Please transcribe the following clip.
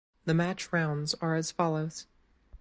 The match rounds are as follows.